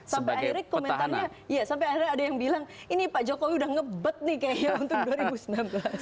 sampai akhirnya komentarnya iya sampai akhirnya ada yang bilang ini pak jokowi udah ngebet nih kayaknya untuk dua ribu sembilan belas